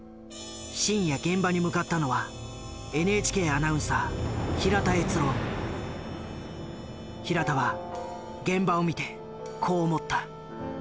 深夜現場に向かったのは平田は現場を見てこう思った。